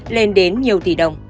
lên đến nhiều tỷ đồng